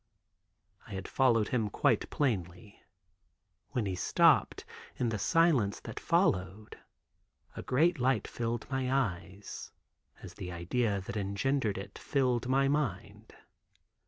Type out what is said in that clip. I had followed him quite plainly. When he stopped, in the silence that followed a great light filled my eyes, as the idea that engendered it filled my mind.